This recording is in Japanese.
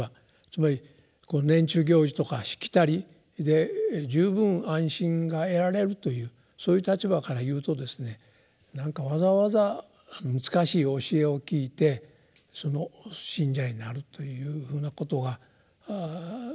つまり年中行事とかしきたりで十分安心が得られるというそういう立場から言うとですねなんかわざわざ難しい教えを聞いてその信者になるというふうなことが何か不自然な感じがするんでしょうね。